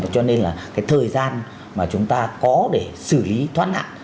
cho nên là cái thời gian mà chúng ta có để xử lý thoát nạn